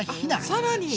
さらに！